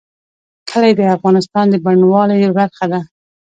کلي د افغانستان د بڼوالۍ برخه ده.